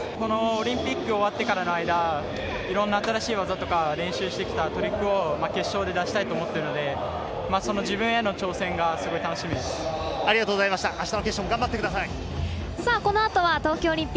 オリンピック終わってからの間、いろんな新しい技とか練習してきたトリックを決勝で出したいと思っているので自分への挑戦がすごく楽しみです。